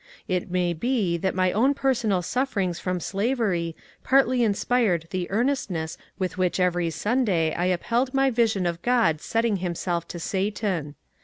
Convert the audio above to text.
It may be that my own personal sufferings from slavery partly inspired the earnestness with which every Sunday I upheld my vision of God setting himself to Satan.